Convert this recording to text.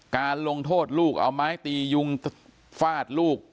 การลงโทษลูกเอาไม้ตียุงฟาดลูก